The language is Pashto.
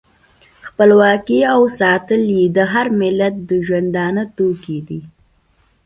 خپلواکي او ساتل یې د هر ملت د ژوندانه توکی دی.